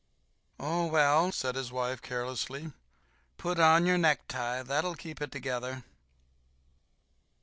"Oh, well," said his wife, carelessly, "put on your necktie—that'll keep it together."